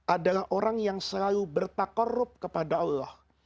adalah orang yang selalu bertakorup kepada allah